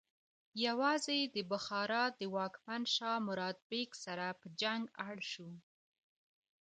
یوازې د بخارا د واکمن شاه مراد بیک سره په جنګ اړ شو.